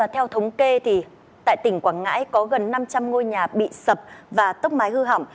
theo thống kê tại tỉnh quảng ngãi có gần năm trăm linh ngôi nhà bị sập và tốc mái hư hỏng